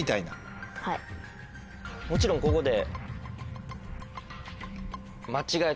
もちろんここで。